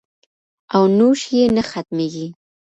او نوش یې نه ختمیږي